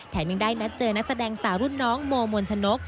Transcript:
ยังได้นัดเจอนักแสดงสาวรุ่นน้องโมมนชนก